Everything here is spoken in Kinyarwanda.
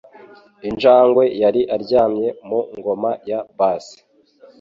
Injangwe yari aryamye mu ngoma ya bass.